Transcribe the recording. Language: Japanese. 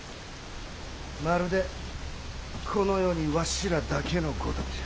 まるでこの世にわしらだけのごとくじゃ。